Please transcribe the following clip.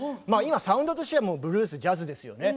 サウンドとしてブルース、ジャズですよね。